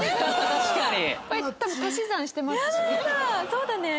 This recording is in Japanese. そうだね。